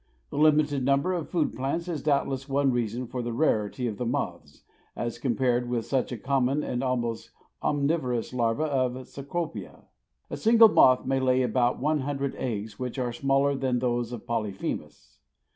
The limited number of food plants is doubtless one reason for the rarity of the moths, as compared with such a common and almost omnivorous larva as Cecropia. A single moth may lay about one hundred eggs, which are smaller than those of Polyphemus.